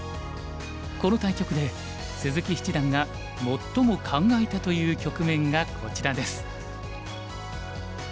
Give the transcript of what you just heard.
この対局で鈴木七段が最も考えたという局面がこちらです。